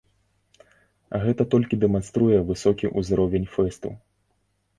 Гэта толькі дэманструе высокі ўзровень фэсту.